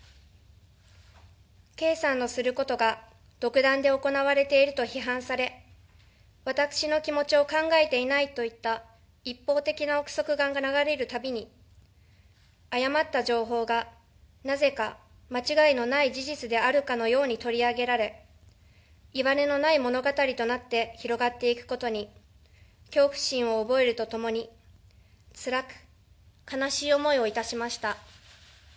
圭さんのすることが独断で行われていると批判され、私の気持ちを考えていないといった一方的な憶測が流れるたびに誤った情報がなぜか間違いのない事実であるかのように取り上げられいわれのない物語となって広がっていくことに恐怖心を覚えるとともに、つらく、悲しい思いをいたしました。